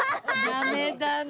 ダメだね。